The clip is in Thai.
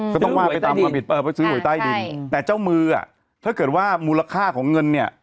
ก็ต้องว่าไปซื้อหวยใต้ดินแต่เจ้ามือถ้าเกิดว่ามูลค่าของเงินเนี่ย